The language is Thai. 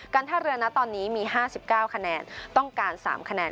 ท่าเรือนะตอนนี้มี๕๙คะแนนต้องการ๓คะแนน